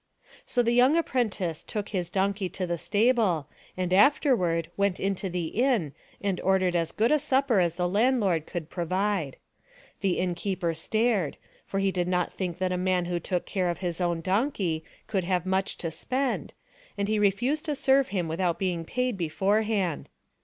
So the young apprentice took his donkey to the stable and afterward went into the inn and ordered as good a supper as the landlord could pro vide. The innkeeper stared, for he did not think that a man who took care of his own donkey could have much to spend, and he refused to serve him without being paid beforehand.